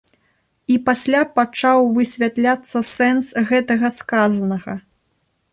І пасля пачаў высвятляцца сэнс гэтага сказанага.